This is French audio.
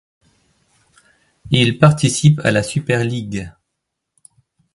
Il participe à la Super League.